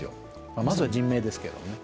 まずは人命ですけどね。